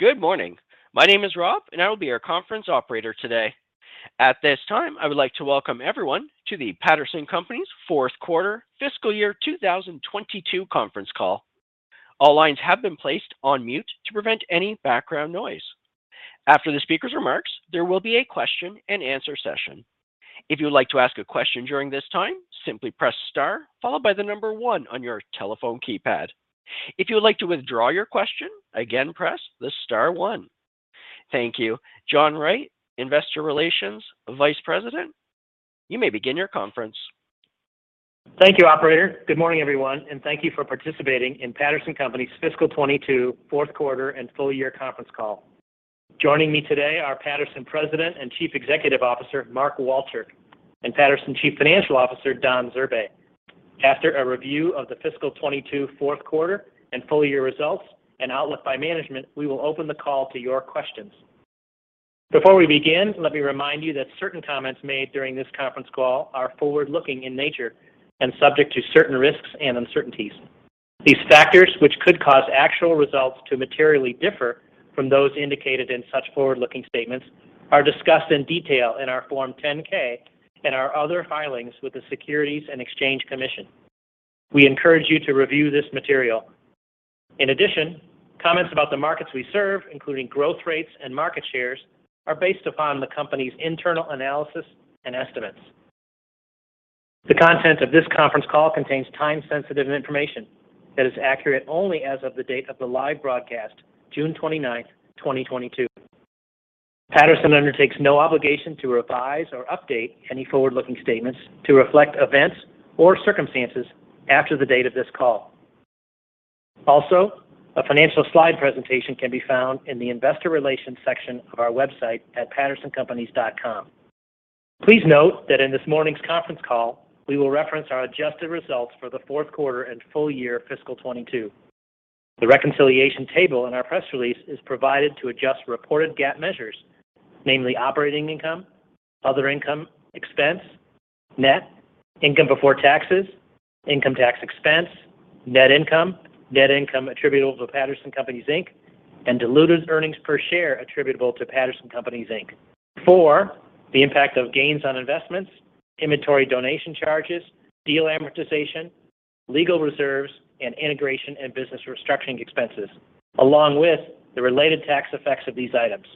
Good morning. My name is Rob, and I will be your conference operator today. At this time, I would like to welcome everyone to the Patterson Companies' Q4 fiscal year 2022 conference call. All lines have been placed on mute to prevent any background noise. After the speaker's remarks, there will be a question-and-answer session. If you would like to ask a question during this time, simply press star followed by the number one on your telephone keypad. If you would like to withdraw your question, again, press the star one. Thank you. John Wright, Vice President, Investor Relations, you may begin your conference. Thank you, operator. Good morning, everyone, and thank you for participating in Patterson Companies' fiscal 2022 Q4 and full year conference call. Joining me today are Patterson President and Chief Executive Officer, Mark Walchirk, and Patterson Chief Financial Officer, Don Zurbay. After a review of the fiscal 2022 Q4 and full year results and outlook by management, we will open the call to your questions. Before we begin, let me remind you that certain comments made during this conference call are forward-looking in nature and subject to certain risks and uncertainties. These factors, which could cause actual results to materially differ from those indicated in such forward-looking statements, are discussed in detail in our Form 10-K and our other filings with the Securities and Exchange Commission. We encourage you to review this material. In addition, comments about the markets we serve, including growth rates and market shares, are based upon the company's internal analysis and estimates. The content of this conference call contains time-sensitive information that is accurate only as of the date of the live broadcast, June 29, 2022. Patterson undertakes no obligation to revise or update any forward-looking statements to reflect events or circumstances after the date of this call. Also, a financial slide presentation can be found in the Investor Relations section of our website at pattersoncompanies.com. Please note that in this morning's conference call, we will reference our adjusted results for the Q4 and full-year fiscal 2022. The reconciliation table in our press release is provided to adjust reported GAAP measures, namely operating income, other income expense, net, income before taxes, income tax expense, net income, net income attributable to Patterson Companies, Inc., and diluted earnings per share attributable to Patterson Companies, Inc., for the impact of gains on investments, inventory donation charges, deal amortization, legal reserves, and integration and business restructuring expenses, along with the related tax effects of these items.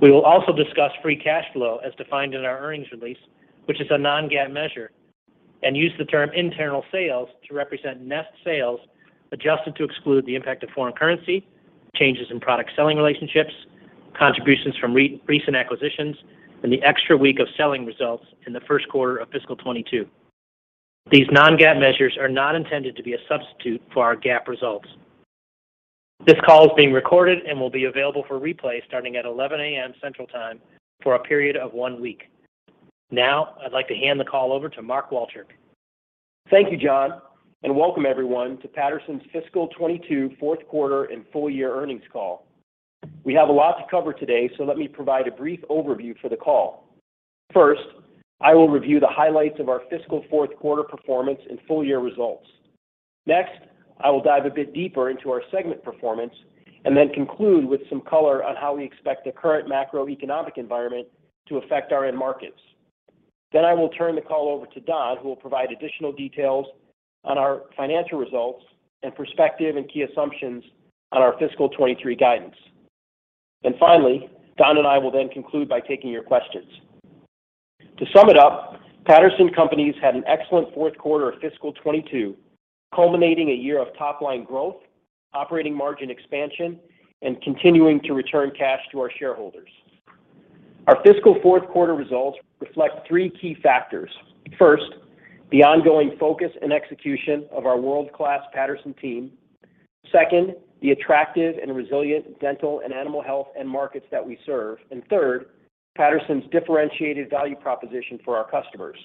We will also discuss free cash flow as defined in our earnings release, which is a non-GAAP measure, and use the term internal sales to represent net sales adjusted to exclude the impact of foreign currency, changes in product selling relationships, contributions from recent acquisitions, and the extra week of selling results in the Q1 of fiscal 2022. These non-GAAP measures are not intended to be a substitute for our GAAP results. This call is being recorded and will be available for replay starting at 11:00 A.M. Central Time for a period of one week. Now, I'd like to hand the call over to Mark Walchirk. Thank you, John, and welcome everyone to Patterson's fiscal 2022 Q4 and full year earnings call. We have a lot to cover today, so let me provide a brief overview for the call. First, I will review the highlights of our fiscal Q4 performance and full year results. Next, I will dive a bit deeper into our segment performance and then conclude with some color on how we expect the current macroeconomic environment to affect our end markets. I will turn the call over to Don Zurbay, who will provide additional details on our financial results and perspective and key assumptions on our fiscal 2023 guidance. Finally, Don and I will then conclude by taking your questions. To sum it up, Patterson Companies had an excellent Q4 of fiscal 2022, culminating in a year of top-line growth, operating margin expansion, and continuing to return cash to our shareholders. Our fiscal Q4 results reflect three key factors. First, the ongoing focus and execution of our world-class Patterson team. Second, the attractive and resilient Dental and Animal Health markets that we serve. Third, Patterson's differentiated value proposition for our customers.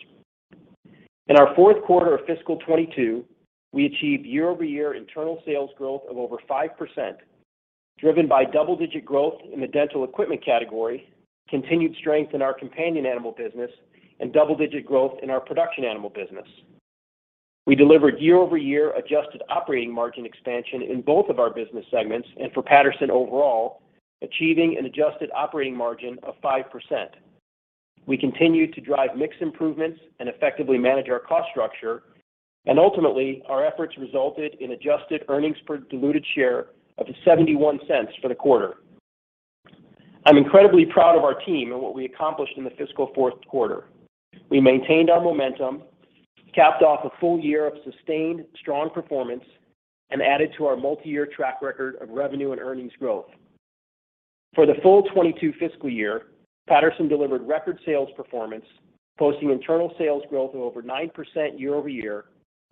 In our Q4 of fiscal 2022, we achieved year-over-year internal sales growth of over 5%, driven by double-digit growth in the Dental equipment category, continued strength in our companion animal business, and double-digit growth in our production animal business. We delivered year-over-year adjusted operating margin expansion in both of our business segments and for Patterson overall, achieving an adjusted operating margin of 5%. We continued to drive mix improvements and effectively manage our cost structure, and ultimately, our efforts resulted in adjusted earnings per diluted share of $0.71 for the quarter. I'm incredibly proud of our team and what we accomplished in the fiscal Q4. We maintained our momentum, capped off a full year of sustained strong performance, and added to our multi-year track record of revenue and earnings growth. For the full 2022 fiscal year, Patterson delivered record sales performance, posting internal sales growth of over 9%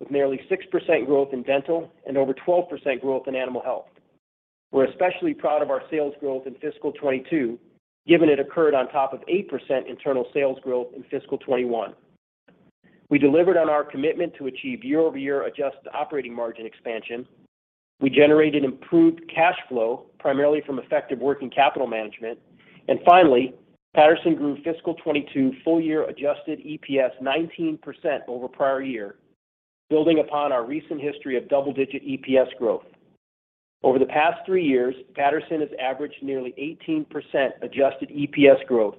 year-over-year, with nearly 6% growth in Dental and over 12% growth in Animal Health. We're especially proud of our sales growth in fiscal 2022, given it occurred on top of 8% internal sales growth in fiscal 2021. We delivered on our commitment to achieve year-over-year adjusted operating margin expansion. We generated improved cash flow primarily from effective working capital management. Finally, Patterson grew fiscal 2022 full-year adjusted EPS 19% over prior year, building upon our recent history of double-digit EPS growth. Over the past three years, Patterson has averaged nearly 18% adjusted EPS growth,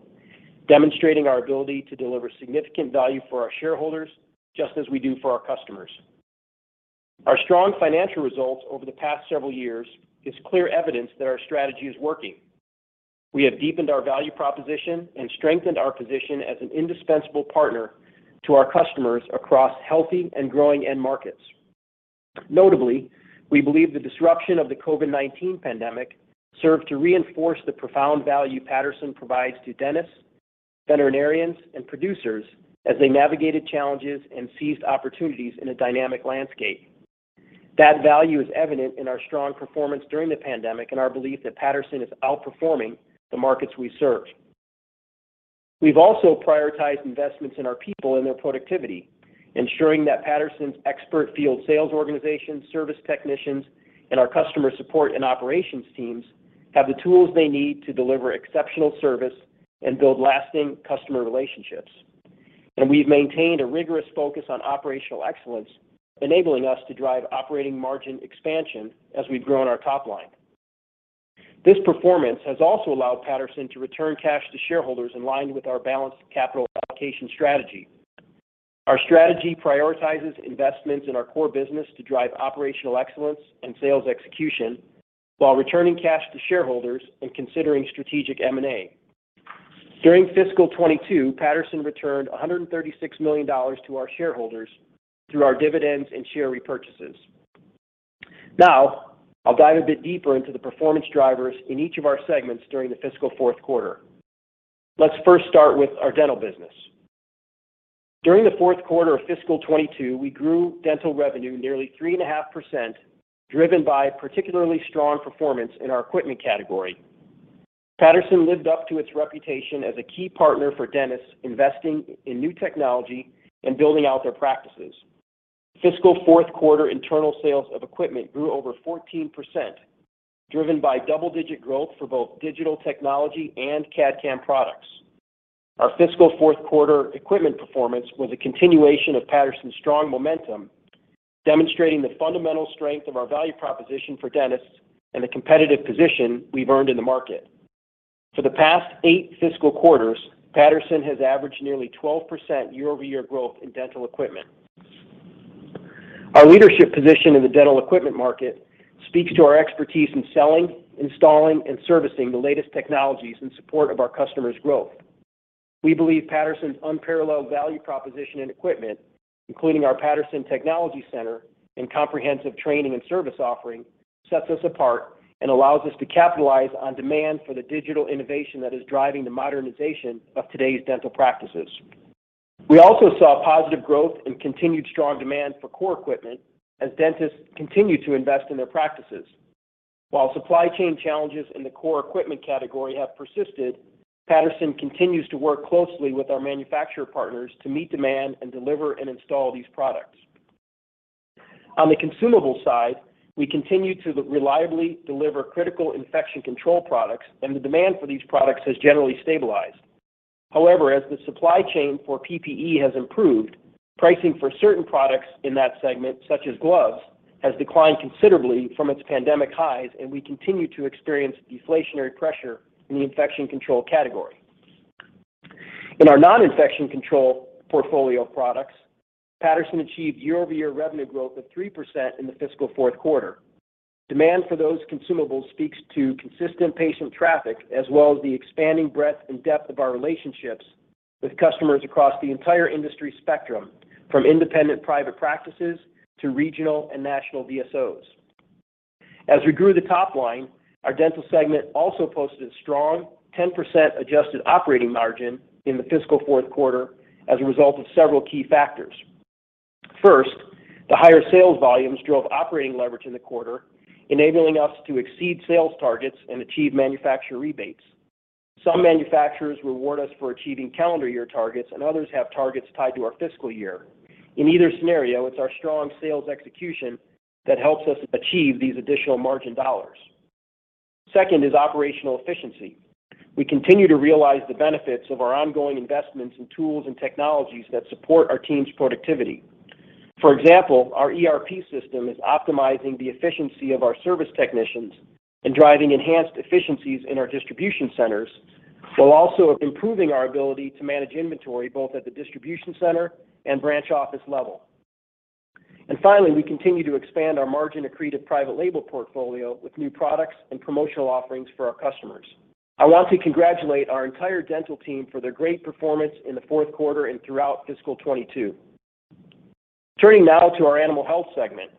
demonstrating our ability to deliver significant value for our shareholders, just as we do for our customers. Our strong financial results over the past several years is clear evidence that our strategy is working. We have deepened our value proposition and strengthened our position as an indispensable partner to our customers across healthy and growing end markets. Notably, we believe the disruption of the COVID-19 pandemic served to reinforce the profound value Patterson provides to dentists, veterinarians, and producers as they navigated challenges and seized opportunities in a dynamic landscape. That value is evident in our strong performance during the pandemic and our belief that Patterson is outperforming the markets we serve. We've also prioritized investments in our people and their productivity, ensuring that Patterson's expert field sales organization, service technicians, and our customer support and operations teams have the tools they need to deliver exceptional service and build lasting customer relationships. We've maintained a rigorous focus on operational excellence, enabling us to drive operating margin expansion as we've grown our top line. This performance has also allowed Patterson to return cash to shareholders in line with our balanced capital allocation strategy. Our strategy prioritizes investments in our core business to drive operational excellence and sales execution while returning cash to shareholders and considering strategic M&A. During fiscal 2022, Patterson returned $136 million to our shareholders through our dividends and share repurchases. Now, I'll dive a bit deeper into the performance drivers in each of our segments during the fiscal Q4. Let's first start with our Dental business. During the Q4 of fiscal 2022, we grew Dental revenue nearly 3.5%, driven by particularly strong performance in our equipment category. Patterson lived up to its reputation as a key partner for dentists investing in new technology and building out their practices. Fiscal Q4 internal sales of equipment grew over 14%, driven by double-digit growth for both digital technology and CAD/CAM products. Our fiscal Q4 equipment performance was a continuation of Patterson's strong momentum, demonstrating the fundamental strength of our value proposition for dentists and the competitive position we've earned in the market. For the past eight fiscal quarters, Patterson has averaged nearly 12% year-over-year growth in Dental equipment. Our leadership position in the Dental equipment market speaks to our expertise in selling, installing, and servicing the latest technologies in support of our customers' growth. We believe Patterson's unparalleled value proposition in equipment, including our Patterson Technology Center and comprehensive training and service offering, sets us apart and allows us to capitalize on demand for the digital innovation that is driving the modernization of today's dental practices. We also saw positive growth and continued strong demand for core equipment as dentists continue to invest in their practices. While supply chain challenges in the core equipment category have persisted, Patterson continues to work closely with our manufacturer partners to meet demand and deliver and install these products. On the consumable side, we continue to reliably deliver critical infection control products, and the demand for these products has generally stabilized. However, as the supply chain for PPE has improved, pricing for certain products in that segment, such as gloves, has declined considerably from its pandemic highs, and we continue to experience deflationary pressure in the infection control category. In our non-infection control portfolio of products, Patterson achieved year-over-year revenue growth of 3% in the fiscal Q4. Demand for those consumables speaks to consistent patient traffic as well as the expanding breadth and depth of our relationships with customers across the entire industry spectrum, from independent private practices to regional and national DSOs. As we grew the top line, our Dental segment also posted a strong 10% adjusted operating margin in the fiscal Q4 as a result of several key factors. First, the higher sales volumes drove operating leverage in the quarter, enabling us to exceed sales targets and achieve manufacturer rebates. Some manufacturers reward us for achieving calendar year targets, and others have targets tied to our fiscal year. In either scenario, it's our strong sales execution that helps us achieve these additional margin dollars. Second is operational efficiency. We continue to realize the benefits of our ongoing investments in tools and technologies that support our team's productivity. For example, our ERP system is optimizing the efficiency of our service technicians and driving enhanced efficiencies in our distribution centers while also improving our ability to manage inventory both at the distribution center and branch office level. Finally, we continue to expand our margin-accretive private label portfolio with new products and promotional offerings for our customers. I want to congratulate our entire Dental team for their great performance in the Q4 and throughout fiscal 2022. Turning now to our Animal Health segment.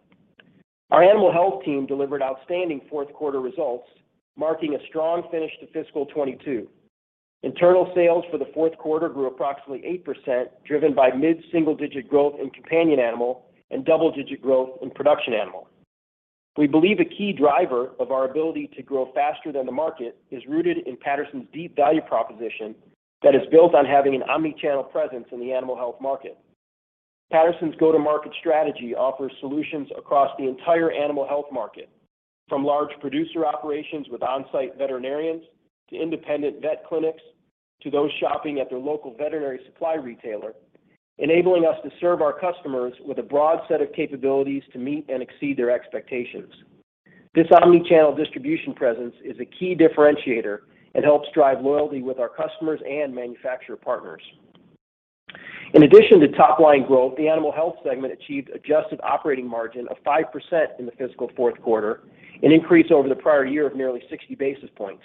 Our Animal Health team delivered outstanding Q4 results, marking a strong finish to fiscal 2022. Internal sales for the Q4 grew approximately 8%, driven by mid-single-digit growth in companion animal and double-digit growth in production animal. We believe a key driver of our ability to grow faster than the market is rooted in Patterson's deep value proposition that is built on having an omni-channel presence in the animal health market. Patterson's go-to-market strategy offers solutions across the entire animal health market, from large producer operations with on-site veterinarians to independent vet clinics to those shopping at their local veterinary supply retailer, enabling us to serve our customers with a broad set of capabilities to meet and exceed their expectations. This omni-channel distribution presence is a key differentiator and helps drive loyalty with our customers and manufacturer partners. In addition to top-line growth, the Animal Health segment achieved adjusted operating margin of 5% in the fiscal Q4, an increase over the prior year of nearly 60 basis points.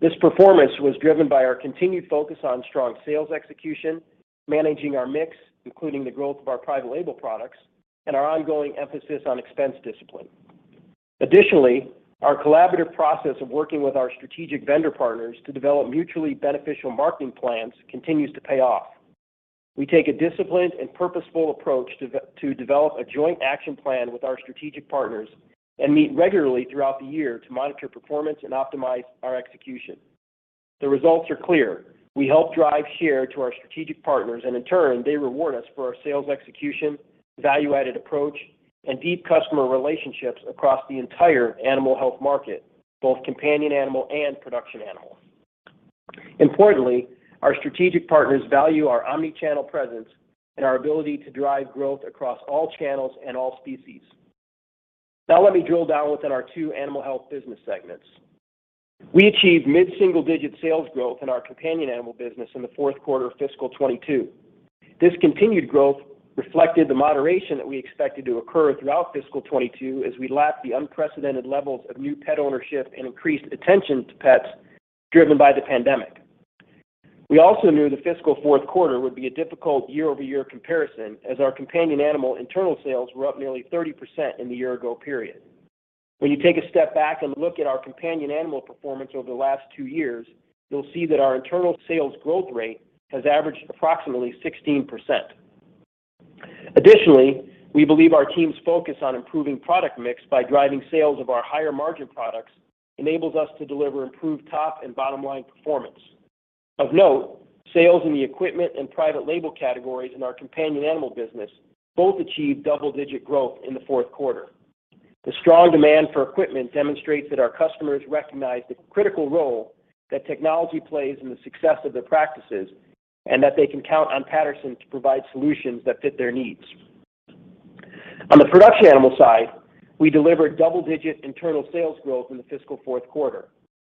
This performance was driven by our continued focus on strong sales execution, managing our mix, including the growth of our private label products, and our ongoing emphasis on expense discipline. Additionally, our collaborative process of working with our strategic vendor partners to develop mutually beneficial marketing plans continues to pay off. We take a disciplined and purposeful approach to develop a joint action plan with our strategic partners and meet regularly throughout the year to monitor performance and optimize our execution. The results are clear. We help drive share to our strategic partners, and in turn, they reward us for our sales execution, value-added approach, and deep customer relationships across the entire animal health market, both companion animal and production animal. Importantly, our strategic partners value our omni-channel presence and our ability to drive growth across all channels and all species. Now let me drill down within our two Animal Health business segments. We achieved mid-single-digit sales growth in our companion animal business in the Q4 of fiscal 2022. This continued growth reflected the moderation that we expected to occur throughout fiscal 2022 as we lapped the unprecedented levels of new pet ownership and increased attention to pets driven by the pandemic. We also knew the fiscal Q4 would be a difficult year-over-year comparison as our companion animal internal sales were up nearly 30% in the year ago period. When you take a step back and look at our companion animal performance over the last two years, you'll see that our internal sales growth rate has averaged approximately 16%. Additionally, we believe our team's focus on improving product mix by driving sales of our higher margin products enables us to deliver improved top and bottom-line performance. Of note, sales in the equipment and private label categories in our companion animal business both achieved double-digit growth in the Q4. The strong demand for equipment demonstrates that our customers recognize the critical role that technology plays in the success of their practices and that they can count on Patterson to provide solutions that fit their needs. On the production animal side, we delivered double-digit internal sales growth in the fiscal Q4.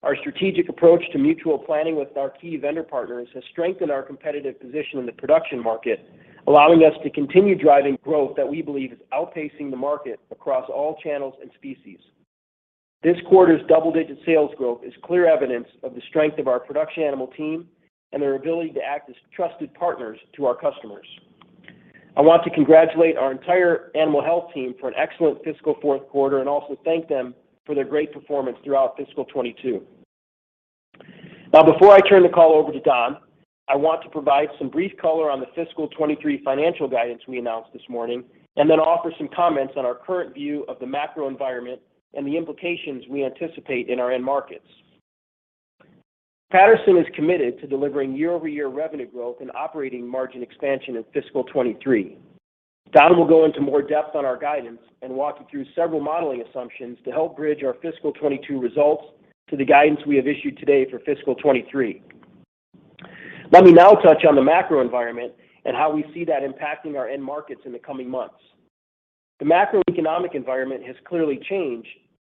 Our strategic approach to mutual planning with our key vendor partners has strengthened our competitive position in the production market, allowing us to continue driving growth that we believe is outpacing the market across all channels and species. This quarter's double-digit sales growth is clear evidence of the strength of our production animal team and their ability to act as trusted partners to our customers. I want to congratulate our entire Animal Health team for an excellent fiscal Q4 and also thank them for their great performance throughout fiscal 2022. Now before I turn the call over to Don, I want to provide some brief color on the fiscal 2023 financial guidance we announced this morning and then offer some comments on our current view of the macro environment and the implications we anticipate in our end markets. Patterson is committed to delivering year-over-year revenue growth and operating margin expansion in fiscal 2023. Don will go into more depth on our guidance and walk you through several modeling assumptions to help bridge our fiscal 2022 results to the guidance we have issued today for fiscal 2023. Let me now touch on the macro environment and how we see that impacting our end markets in the coming months. The macroeconomic environment has clearly changed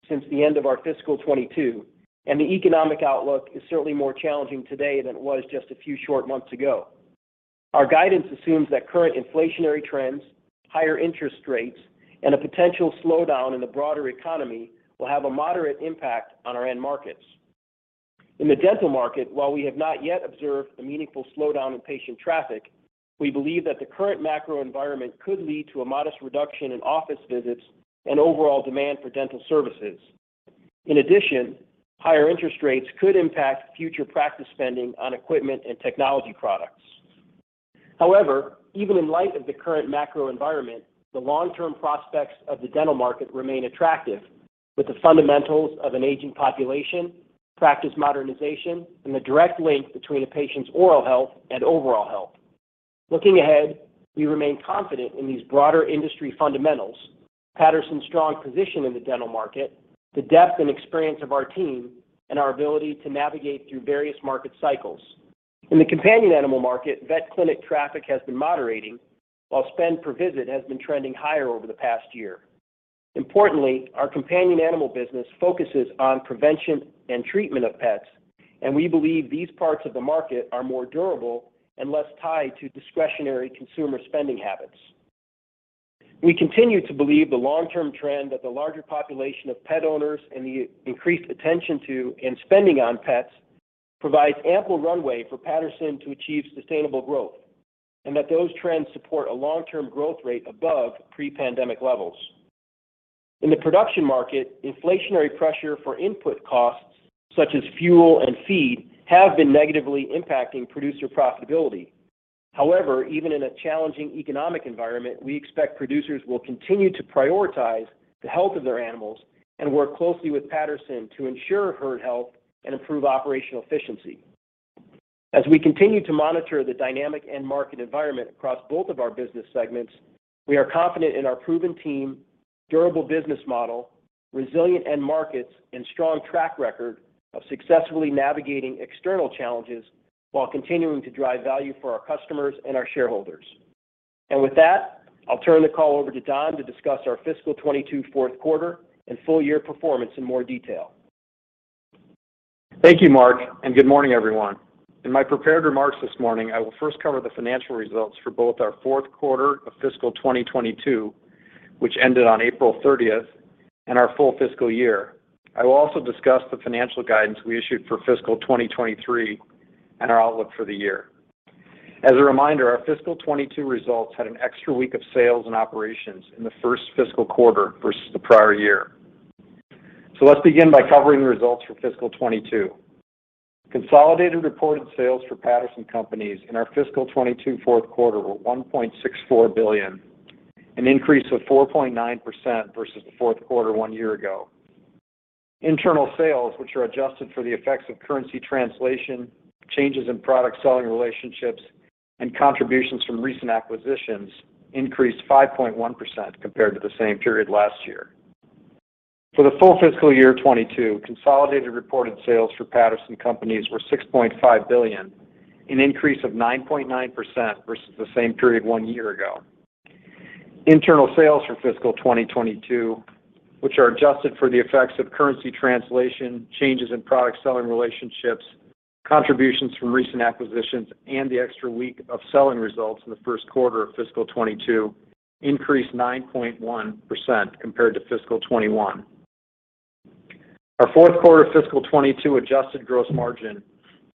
since the end of our fiscal 2022, and the economic outlook is certainly more challenging today than it was just a few short months ago. Our guidance assumes that current inflationary trends, higher interest rates, and a potential slowdown in the broader economy will have a moderate impact on our end markets. In the dental market, while we have not yet observed a meaningful slowdown in patient traffic, we believe that the current macro environment could lead to a modest reduction in office visits and overall demand for dental services. In addition, higher interest rates could impact future practice spending on equipment and technology products. However, even in light of the current macro environment, the long-term prospects of the dental market remain attractive with the fundamentals of an aging population, practice modernization, and the direct link between a patient's oral health and overall health. Looking ahead, we remain confident in these broader industry fundamentals, Patterson's strong position in the dental market, the depth and experience of our team, and our ability to navigate through various market cycles. In the companion animal market, vet clinic traffic has been moderating while spend per visit has been trending higher over the past year. Importantly, our companion animal business focuses on prevention and treatment of pets, and we believe these parts of the market are more durable and less tied to discretionary consumer spending habits. We continue to believe the long-term trend that the larger population of pet owners and the increased attention to and spending on pets provides ample runway for Patterson to achieve sustainable growth and that those trends support a long-term growth rate above pre-pandemic levels. In the production market, inflationary pressure for input costs such as fuel and feed have been negatively impacting producer profitability. However, even in a challenging economic environment, we expect producers will continue to prioritize the health of their animals and work closely with Patterson to ensure herd health and improve operational efficiency. As we continue to monitor the dynamic end market environment across both of our business segments, we are confident in our proven team, durable business model, resilient end markets, and strong track record of successfully navigating external challenges while continuing to drive value for our customers and our shareholders. With that, I'll turn the call over to Don to discuss our fiscal 2022 Q4 and full year performance in more detail. Thank you, Mark, and good morning, everyone. In my prepared remarks this morning, I will first cover the financial results for both our Q4 of fiscal 2022, which ended on April 30, and our full fiscal year. I will also discuss the financial guidance we issued for fiscal 2023 and our outlook for the year. As a reminder, our fiscal 2022 results had an extra week of sales and operations in the first fiscal quarter versus the prior year. Let's begin by covering the results for fiscal 2022. Consolidated reported sales for Patterson Companies in our fiscal 2022 Q4 were $1.64 billion, an increase of 4.9% versus the Q4 one year ago. Internal sales, which are adjusted for the effects of currency translation, changes in product selling relationships, and contributions from recent acquisitions, increased 5.1% compared to the same period last year. For the full fiscal year 2022, consolidated reported sales for Patterson Companies were $6.5 billion, an increase of 9.9% versus the same period one year ago. Internal sales for fiscal 2022, which are adjusted for the effects of currency translation, changes in product selling relationships, contributions from recent acquisitions, and the extra week of selling results in the Q1 of fiscal 2022, increased 9.1% compared to fiscal 2021. Our Q4 fiscal 2022 adjusted gross margin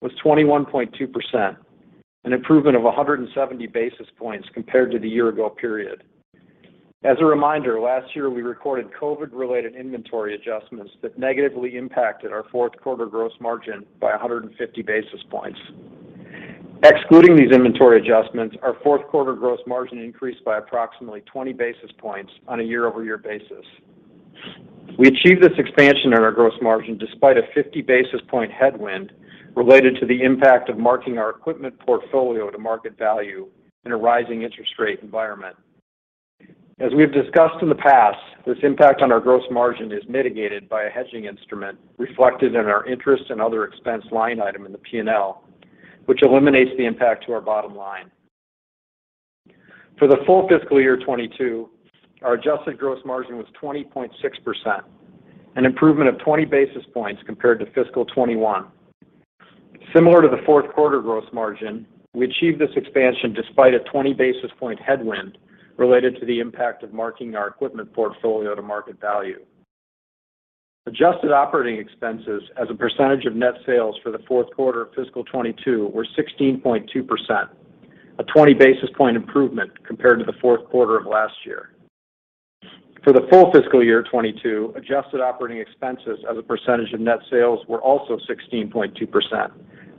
was 21.2%, an improvement of 170 basis points compared to the year-ago period. As a reminder, last year, we recorded COVID-related inventory adjustments that negatively impacted our Q4 gross margin by 150 basis points. Excluding these inventory adjustments, our Q4 gross margin increased by approximately 20 basis points on a year-over-year basis. We achieved this expansion in our gross margin despite a 50 basis points headwind related to the impact of marking our equipment portfolio to market value in a rising interest rate environment. As we have discussed in the past, this impact on our gross margin is mitigated by a hedging instrument reflected in our interest and other expense line item in the P&L, which eliminates the impact to our bottom line. For the full fiscal year 2022, our adjusted gross margin was 20.6%, an improvement of 20 basis points compared to fiscal 2021. Similar to the Q4 gross margin, we achieved this expansion despite a 20 basis points headwind related to the impact of marking our equipment portfolio to market value. Adjusted operating expenses as a percentage of net sales for the Q4 of fiscal 2022 were 16.2%, a 20 basis points improvement compared to the Q4 of last year. For the full fiscal year 2022, adjusted operating expenses as a percentage of net sales were also 16.2%,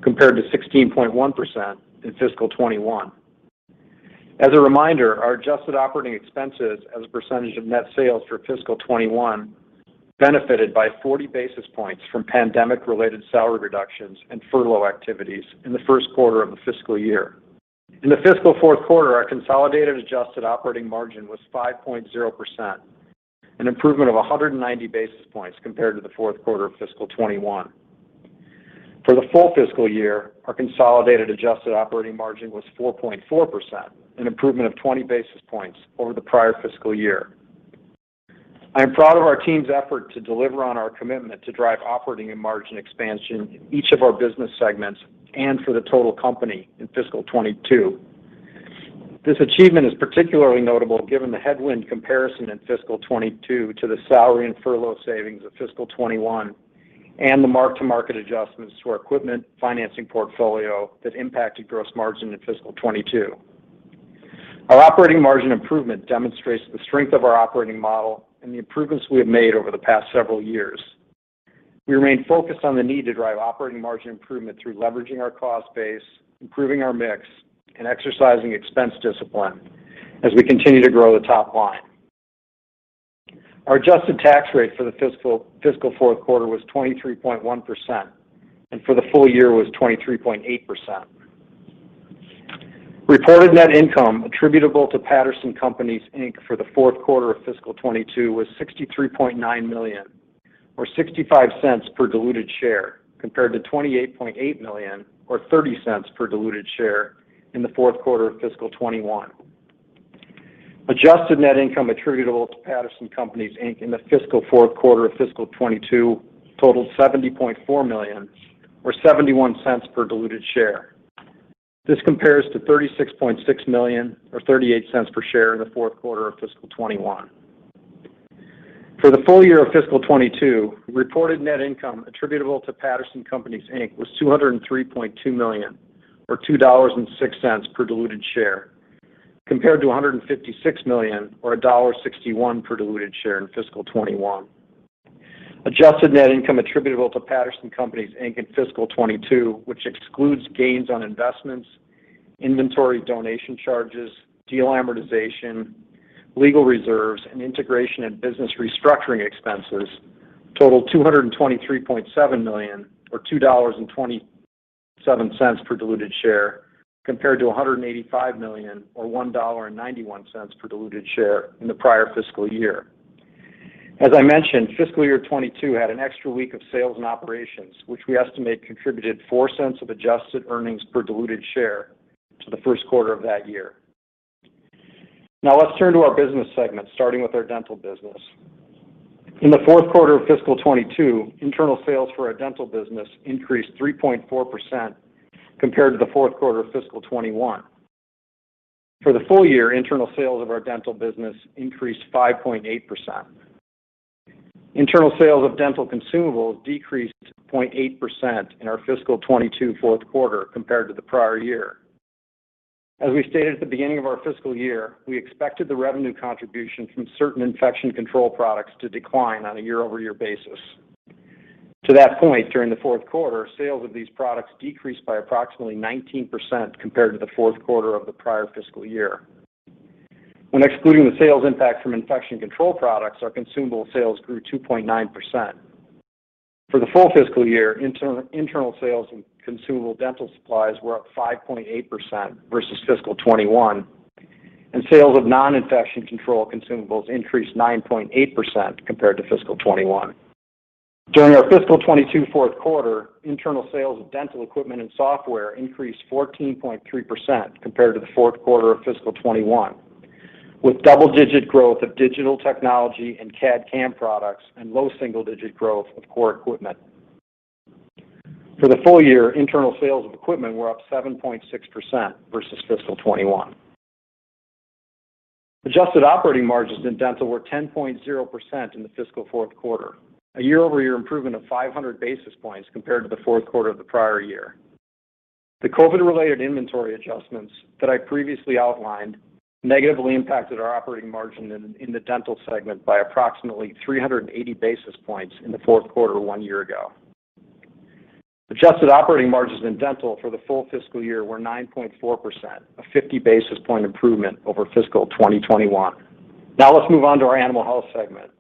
compared to 16.1% in fiscal 2021. As a reminder, our adjusted operating expenses as a percentage of net sales for fiscal 2021 benefited by 40 basis points from pandemic-related salary reductions and furlough activities in the Q1 of the fiscal year. In the fiscal Q4, our consolidated adjusted operating margin was 5.0%, an improvement of 190 basis points compared to the Q4 of fiscal 2021. For the full fiscal year, our consolidated adjusted operating margin was 4.4%, an improvement of 20 basis points over the prior fiscal year. I am proud of our team's effort to deliver on our commitment to drive operating and margin expansion in each of our business segments and for the total company in fiscal 2022. This achievement is particularly notable given the headwind comparison in fiscal 2022 to the salary and furlough savings of fiscal 2021 and the mark-to-market adjustments to our equipment financing portfolio that impacted gross margin in fiscal 2022. Our operating margin improvement demonstrates the strength of our operating model and the improvements we have made over the past several years. We remain focused on the need to drive operating margin improvement through leveraging our cost base, improving our mix, and exercising expense discipline as we continue to grow the top line. Our adjusted tax rate for the fiscal Q4 was 23.1%, and for the full year was 23.8%. Reported net income attributable to Patterson Companies, Inc. for the Q4 of fiscal 2022 was $63.9 million or $0.65 per diluted share, compared to $28.8 million or $0.30 per diluted share in the Q4 of fiscal 2021. Adjusted net income attributable to Patterson Companies, Inc. in the fiscal Q4 of fiscal 2022 totaled $70.4 million or $0.71 per diluted share. This compares to $36.6 million or $0.38 per share in the Q4 of fiscal 2021. For the full year of fiscal 2022, reported net income attributable to Patterson Companies, Inc. was $203.2 million or $2.06 per diluted share, compared to $156 million or $1.61 per diluted share in fiscal 2021. Adjusted net income attributable to Patterson Companies, Inc. in fiscal 2022, which excludes gains on investments, inventory donation charges, deal amortization, legal reserves, and integration and business restructuring expenses. Total $223.7 million or $2.27 per diluted share compared to $185 million or $1.91 per diluted share in the prior fiscal year. Fiscal year 2022 had an extra week of sales and operations, which we estimate contributed $0.04 of adjusted earnings per diluted share to the Q1 of that year. Now let's turn to our business segment, starting with our Dental business. In Q4 of fiscal 2022, internal sales for our Dental business increased 3.4% compared to the Q4 of fiscal 2021. For the full year, internal sales of our Dental business increased 5.8%. Internal sales of Dental consumables decreased 0.8% in our fiscal 2022 Q4 compared to the prior year. As we stated at the beginning of our fiscal year, we expected the revenue contribution from certain infection control products to decline on a year-over-year basis. To that point, during the Q4, sales of these products decreased by approximately 19% compared to the Q4 of the prior fiscal year. When excluding the sales impact from infection control products, our consumable sales grew 2.9%. For the full fiscal year, internal sales and consumable Dental supplies were up 5.8% versus fiscal 2021, and sales of non-infection control consumables increased 9.8% compared to fiscal 2021. During our fiscal 2022 Q4, internal sales of Dental equipment and software increased 14.3% compared to the Q4 of fiscal 2021, with double-digit growth of digital technology and CAD/CAM products and low single-digit growth of core equipment. For the full year, internal sales of equipment were up 7.6% versus fiscal 2021. Adjusted operating margins in Dental were 10.0% in the fiscal Q4, a year-over-year improvement of 500 basis points compared to the Q4 of the prior year. The COVID-related inventory adjustments that I previously outlined negatively impacted our operating margin in the Dental segment by approximately 380 basis points in the Q4 one year ago. Adjusted operating margins in Dental for the full fiscal year were 9.4%, a 50 basis points improvement over fiscal 2021. Now let's move on to our Animal Health segment.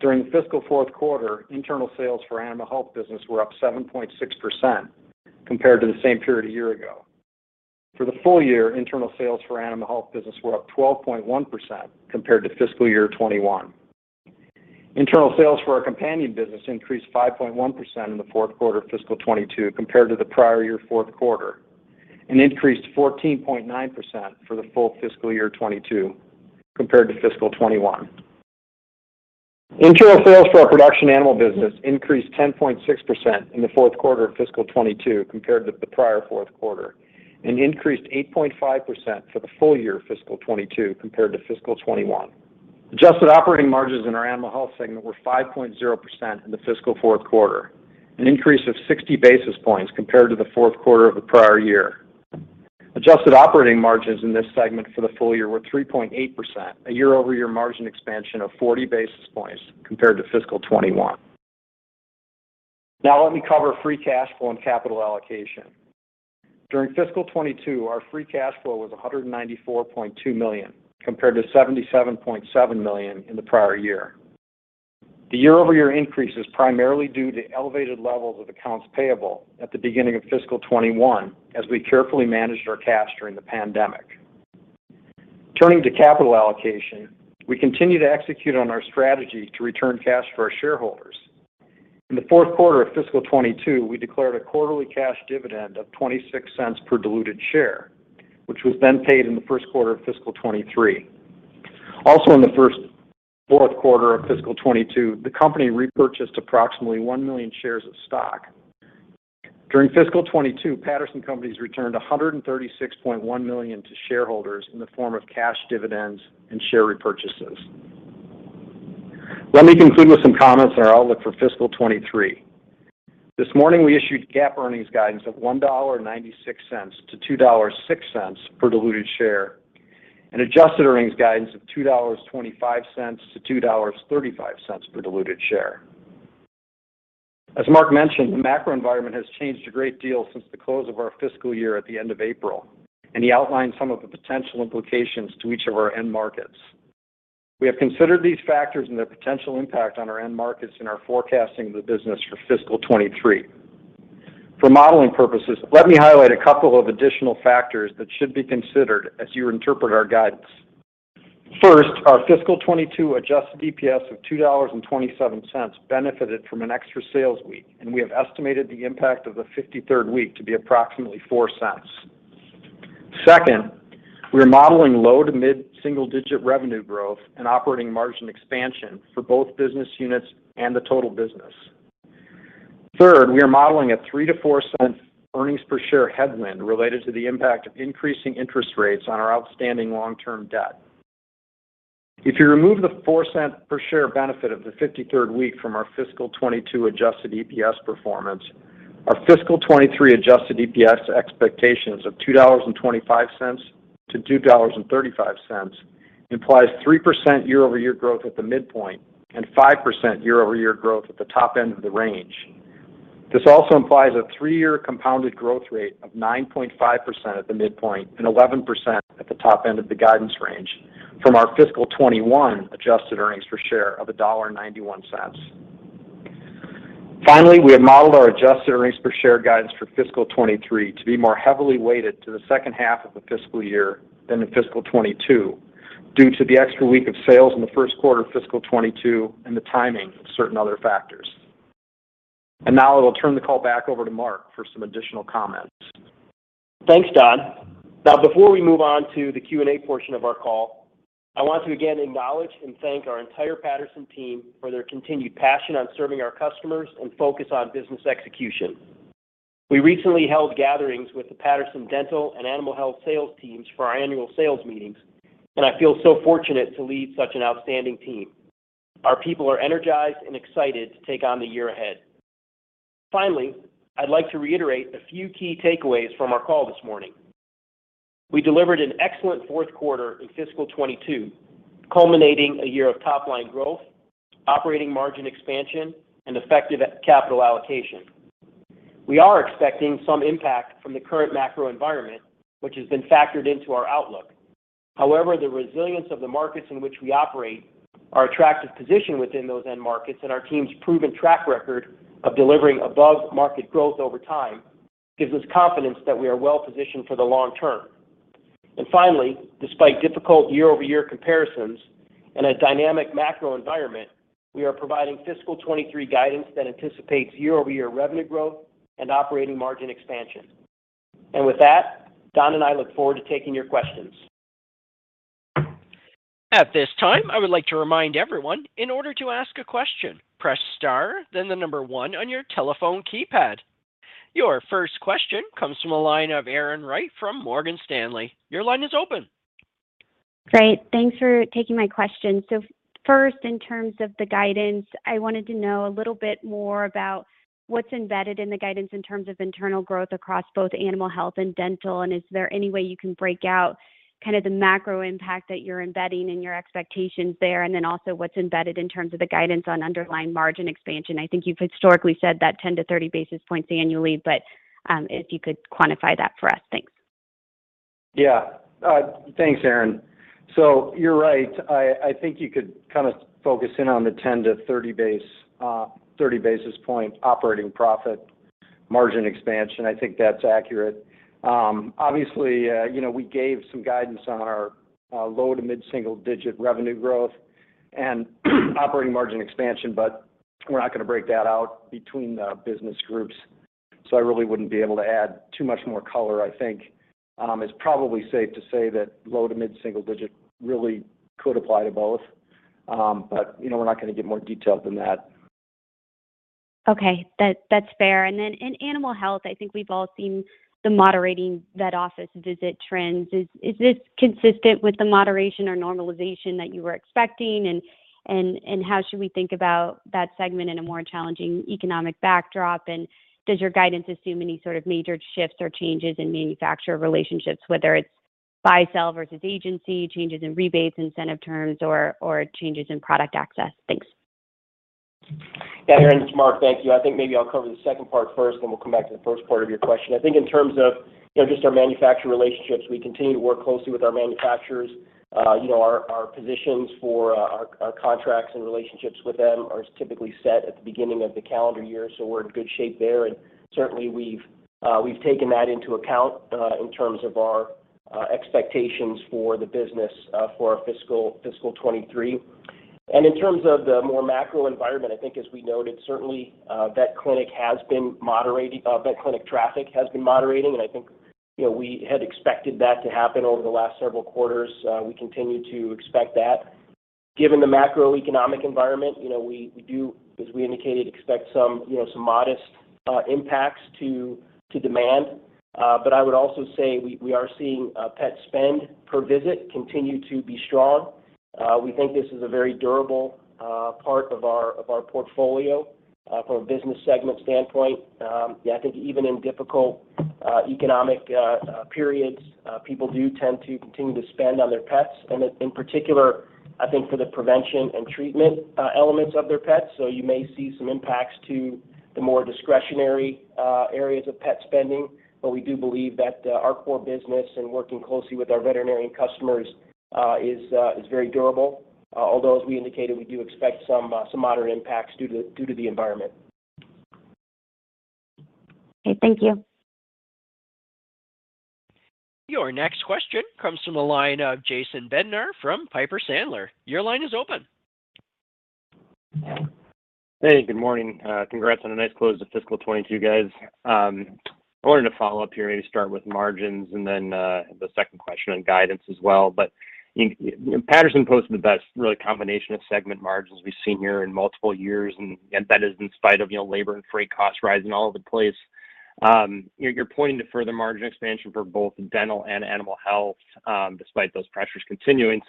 During the fiscal Q4, internal sales for Animal Health business were up 7.6% compared to the same period a year ago. For the full year, internal sales for Animal Health business were up 12.1% compared to fiscal year 2021. Internal sales for our companion business increased 5.1% in the Q4 of fiscal 2022 compared to the prior year Q4 and increased 14.9% for the full fiscal year 2022 compared to fiscal 2021. Internal sales for our production animal business increased 10.6% in the Q4 of fiscal 2022 compared to the prior Q4 and increased 8.5% for the full year of fiscal 2022 compared to fiscal 2021. Adjusted operating margins in our Animal Health segment were 5.0% in the fiscal Q4, an increase of 60 basis points compared to the Q4 of the prior year. Adjusted operating margins in this segment for the full year were 3.8%, a year-over-year margin expansion of 40 basis points compared to fiscal 2021. Now let me cover free cash flow and capital allocation. During fiscal 2022, our free cash flow was $194.2 million, compared to $77.7 million in the prior year. The year-over-year increase is primarily due to elevated levels of accounts payable at the beginning of fiscal 2021 as we carefully managed our cash during the pandemic. Turning to capital allocation, we continue to execute on our strategy to return cash for our shareholders. In the Q4 of fiscal 2022, we declared a quarterly cash dividend of $0.26 per diluted share, which was then paid in the Q1 of fiscal 2023. Also, in the Q4 of fiscal 2022, the company repurchased approximately 1 million shares of stock. During fiscal 2022, Patterson Companies returned $136.1 million to shareholders in the form of cash dividends and share repurchases. Let me conclude with some comments on our outlook for fiscal 2023. This morning, we issued GAAP earnings guidance of $1.96-$2.06 per diluted share and adjusted earnings guidance of $2.25-$2.35 per diluted share. As Mark mentioned, the macro environment has changed a great deal since the close of our fiscal year at the end of April, and he outlined some of the potential implications to each of our end markets. We have considered these factors and their potential impact on our end markets in our forecasting of the business for fiscal 2023. For modeling purposes, let me highlight a couple of additional factors that should be considered as you interpret our guidance. First, our fiscal 2022 adjusted EPS of $2.27 benefited from an extra sales week, and we have estimated the impact of the 53rd week to be approximately $0.04. Second, we are modeling low- to mid-single-digit revenue growth and operating margin expansion for both business units and the total business. Third, we are modeling a $0.03-$0.04 earnings per share headwind related to the impact of increasing interest rates on our outstanding long-term debt. If you remove the $0.04 per share benefit of the 53rd week from our fiscal 2022 adjusted EPS performance, our fiscal 2023 adjusted EPS expectations of $2.25-$2.35 implies 3% year-over-year growth at the midpoint and 5% year-over-year growth at the top end of the range. This also implies a three-year compounded growth rate of 9.5% at the midpoint and 11% at the top end of the guidance range from our fiscal 2021 adjusted earnings per share of $1.91. Finally, we have modeled our adjusted earnings per share guidance for fiscal 2023 to be more heavily weighted to the second half of the fiscal year than in fiscal 2022 due to the extra week of sales in the Q1 of fiscal 2022 and the timing of certain other factors. Now I will turn the call back over to Mark for some additional comments. Thanks, Don. Now, before we move on to the Q&A portion of our call, I want to again acknowledge and thank our entire Patterson team for their continued passion on serving our customers and focus on business execution. We recently held gatherings with the Patterson Dental and Animal Health sales teams for our annual sales meetings, and I feel so fortunate to lead such an outstanding team. Our people are energized and excited to take on the year ahead. Finally, I'd like to reiterate a few key takeaways from our call this morning. We delivered an excellent Q4 in fiscal 2022, culminating a year of top-line growth, operating margin expansion, and effective capital allocation. We are expecting some impact from the current macro environment, which has been factored into our outlook. However, the resilience of the markets in which we operate, our attractive position within those end markets, and our team's proven track record of delivering above-market growth over time gives us confidence that we are well-positioned for the long term. Finally, despite difficult year-over-year comparisons and a dynamic macro environment, we are providing fiscal 2023 guidance that anticipates year-over-year revenue growth and operating margin expansion. With that, Don and I look forward to taking your questions. At this time, I would like to remind everyone, in order to ask a question, press star then the number one on your telephone keypad. Your first question comes from the line of Erin Wright from Morgan Stanley. Your line is open. Great. Thanks for taking my question. First, in terms of the guidance, I wanted to know a little bit more about what's embedded in the guidance in terms of internal growth across both Animal Health and Dental, and is there any way you can break out kind of the macro impact that you're embedding in your expectations there? Then also what's embedded in terms of the guidance on underlying margin expansion? I think you've historically said that 10-30 basis points annually, but if you could quantify that for us? Thanks. Yeah. Thanks, Erin. You're right. I think you could kind of focus in on the 10-30 basis point operating profit margin expansion. I think that's accurate. Obviously, you know, we gave some guidance on our low- to mid-single-digit revenue growth and operating margin expansion, but we're not going to break that out between the business groups. I really wouldn't be able to add too much more color. I think it's probably safe to say that low- to mid-single-digit really could apply to both. You know, we're not going to get more detailed than that. Okay. That's fair. In Animal Health, I think we've all seen the moderating vet office visit trends. Is this consistent with the moderation or normalization that you were expecting? How should we think about that segment in a more challenging economic backdrop? Does your guidance assume any sort of major shifts or changes in manufacturer relationships, whether it's buy-sell versus agency, changes in rebates, incentive terms, or changes in product access? Thanks. Yeah, Erin, it's Mark. Thank you. I think maybe I'll cover the second part first, then we'll come back to the first part of your question. I think in terms of, you know, just our manufacturer relationships, we continue to work closely with our manufacturers. You know, our positions for our contracts and relationships with them are typically set at the beginning of the calendar year. So, we're in good shape there. Certainly, we've taken that into account in terms of our expectations for the business for our fiscal 2023. In terms of the more macro environment, I think as we noted, certainly vet clinic traffic has been moderating. I think, you know, we had expected that to happen over the last several quarters. We continue to expect that. Given the macroeconomic environment, you know, we do, as we indicated, expect some modest impacts to demand. But I would also say we are seeing pet spend per visit continue to be strong. We think this is a very durable part of our portfolio from a business segment standpoint. I think even in difficult economic periods people do tend to continue to spend on their pets, and in particular, I think for the prevention and treatment elements of their pets. You may see some impacts to the more discretionary areas of pet spending. We do believe that our core business and working closely with our veterinarian customers is very durable. Although as we indicated, we do expect some moderate impacts due to the environment. Okay. Thank you. Your next question comes from the line of Jason Bednar from Piper Sandler. Your line is open. Hey, good morning. Congrats on a nice close to fiscal 2022, guys. I wanted to follow up here, maybe start with margins and then, the second question on guidance as well. You, Patterson posted the best really combination of segment margins we've seen here in multiple years, and that is in spite of, you know, labor and freight costs rising all over the place. You're pointing to further margin expansion for both Dental and Animal Health, despite those pressures continuing.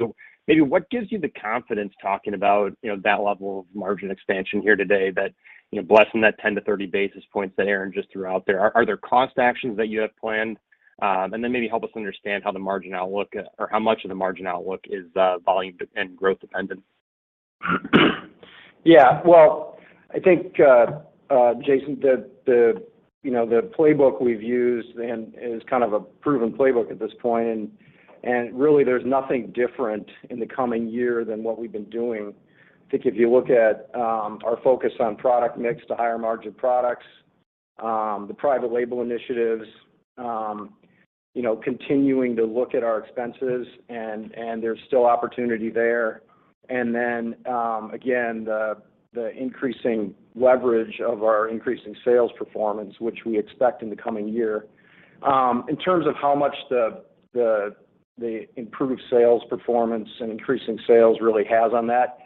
Maybe what gives you the confidence talking about, you know, that level of margin expansion here today, that, you know, blessing that 10-30 basis points that Erin just threw out there? Are there cost actions that you have planned? Maybe help us understand how the margin outlook or how much of the margin outlook is volume and growth dependent? Yeah. Well, I think, Jason, the, you know, the playbook we've used and is kind of a proven playbook at this point, and really there's nothing different in the coming year than what we've been doing. I think if you look at our focus on product mix to higher margin products, the private label initiatives, you know, continuing to look at our expenses and there's still opportunity there. Again, the increasing leverage of our increasing sales performance, which we expect in the coming year. In terms of how much the improved sales performance and increasing sales really has on that,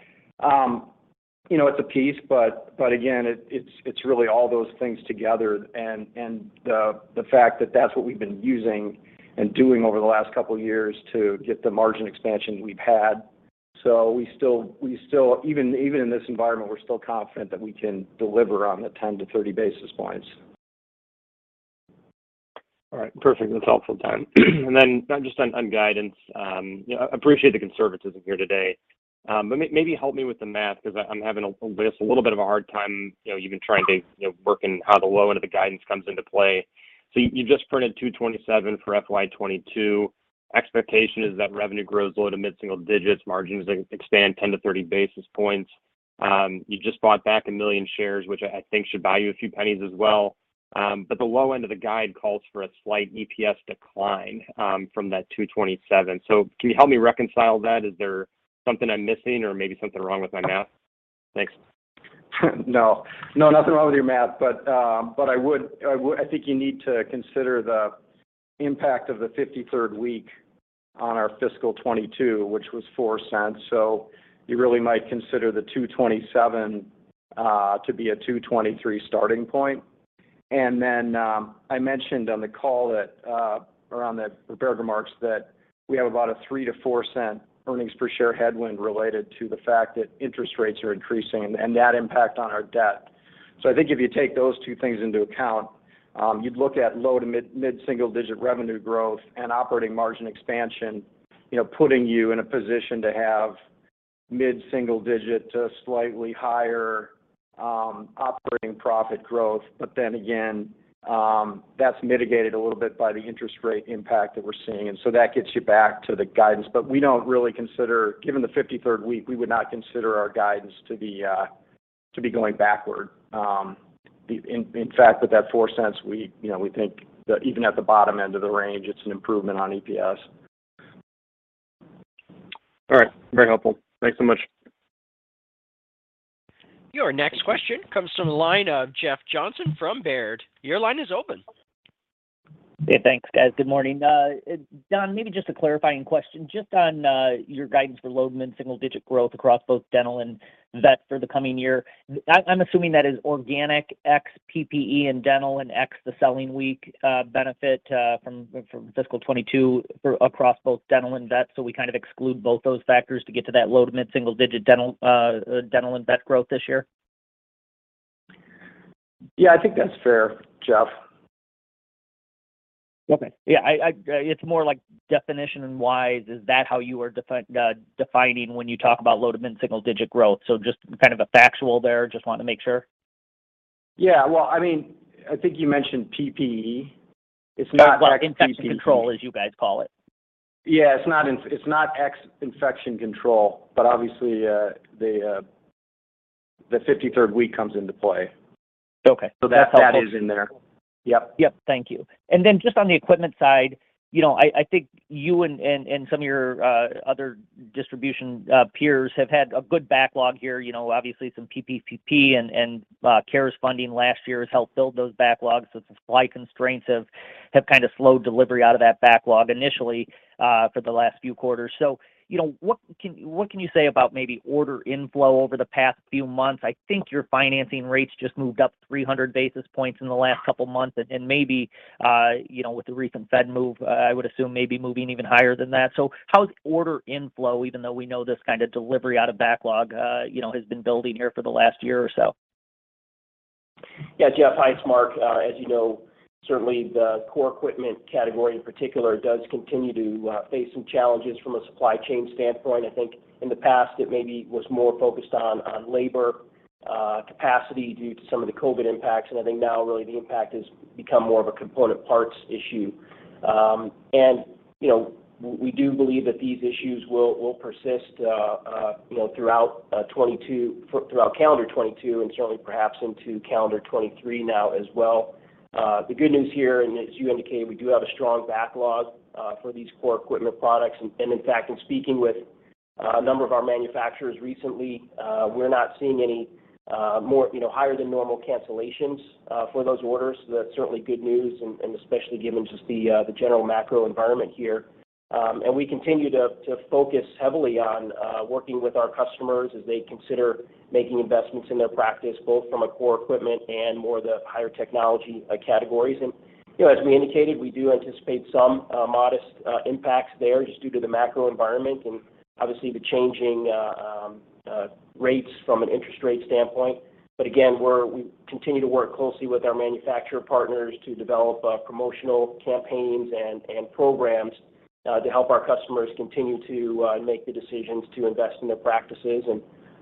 you know, it's a piece, but again, it's really all those things together and the fact that that's what we've been using and doing over the last couple of years to get the margin expansion we've had. So, we still even in this environment, we're still confident that we can deliver on the 10-30 basis points. All right. Perfect. That's helpful, Don. Just on guidance, you know, appreciate the conservatism here today. Maybe help me with the math because I'm having a little bit of a hard time, you know, even trying to work in how the low end of the guidance comes into play. You just printed $2.27 for FY 2022. Expectation is that revenue grows low- to mid-single-digit, margins expand 10-30 basis points. You just bought back 1 million shares, which I think should buy you a few pennies as well. The low end of the guide calls for a slight EPS decline from that $2.27. Can you help me reconcile that? Is there something I'm missing or maybe something wrong with my math? Thanks. No, no, nothing wrong with your math, but I think you need to consider the impact of the 53rd week on our fiscal 2022, which was $0.04. You really might consider the $2.27 to be a $2.23 starting point. I mentioned on the call that around the prepared remarks we have about a $0.03-$0.04 earnings per share headwind related to the fact that interest rates are increasing and that impact on our debt. I think if you take those two things into account, you'd look at low- to mid-single-digit revenue growth and operating margin expansion, you know, putting you in a position to have mid-single-digit to slightly higher operating profit growth. That's mitigated a little bit by the interest rate impact that we're seeing. That gets you back to the guidance. Given the fifty-third week, we would not consider our guidance to be going backward. In fact, with that $0.04, we think that even at the bottom end of the range, it's an improvement on EPS. All right. Very helpful. Thanks so much. Your next question comes from the line of Jeff Johnson from Baird. Your line is open. Yeah, thanks, guys. Good morning. Don, maybe just a clarifying question. Just on your guidance for low- to mid-single-digit growth across both Dental and vet for the coming year, I'm assuming that is organic ex PPE in Dental and ex the selling week benefit from fiscal 2022 across both Dental and vet. We kind of exclude both those factors to get to that low- to mid-single-digit Dental and vet growth this year. Yeah, I think that's fair, Jeff. Okay. Yeah, it's more like definition-wise, is that how you are defining when you talk about low- to mid-single-digit growth? Just kind of a factual there. Just want to make sure. Yeah. Well, I mean, I think you mentioned PPE. It's not ex PPE. Well, infection control, as you guys call it. Yeah. It's not ex-infection control, but obviously, the fifty-third week comes into play. Okay. That is in there. Yep. Thank you. Then just on the equipment side, you know, I think you and some of your other distribution peers have had a good backlog here. You know, obviously some PPP and CARES funding last year has helped build those backlogs. The supply constraints have kind of slowed delivery out of that backlog initially for the last few quarters. You know, what can you say about maybe order inflow over the past few months? I think your financing rates just moved up 300 basis points in the last couple of months. Maybe, you know, with the recent Fed move, I would assume maybe moving even higher than that. How is order inflow, even though we know this kind of delivery out of backlog, you know, has been building here for the last year or so? Yeah. Jeff, hi, it's Mark. As you know, certainly the core equipment category in particular does continue to face some challenges from a supply chain standpoint. I think in the past, it maybe was more focused on labor capacity due to some of the COVID impacts. I think now really the impact has become more of a component parts issue. You know, we do believe that these issues will persist throughout calendar 2022 and certainly perhaps into calendar 2023 now as well. The good news here, as you indicated, we do have a strong backlog for these core equipment products. In fact, in speaking with a number of our manufacturers recently, you know, we're not seeing any more higher than normal cancellations for those orders. That's certainly good news, especially given just the general macro environment here. We continue to focus heavily on working with our customers as they consider making investments in their practice, both from a core equipment and more the higher technology categories. You know, as we indicated, we do anticipate some modest impacts there just due to the macro environment and obviously the changing rates from an interest rate standpoint. Again, we continue to work closely with our manufacturer partners to develop promotional campaigns and programs to help our customers continue to make the decisions to invest in their practices.